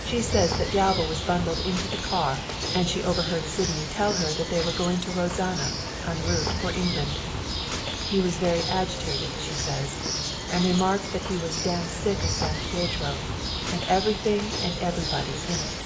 She says that Galva was bundled into the car, and she overheard Sydney tell her that they were going to Rozana en route for England. He was very agitated, she says, and remarked that he was damn sick of San Pietro, and everything and everybody in it."